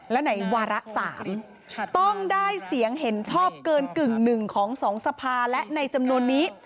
และไหนวาระ๓ต้องได้เสียงเห็นชอบเกินกึ่งหนึ่งของ๒สภาและในจำนวนนี้